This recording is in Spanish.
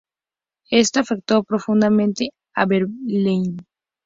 Esto afectó profundamente a Beverley.